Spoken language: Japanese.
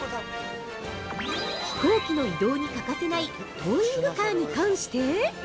◆飛行機の移動に欠かせないトーイングカー。